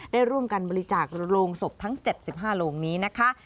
ได้ร่วมกันบริจาคโรงศพทั้ง๗๕โรงนี้นะคะ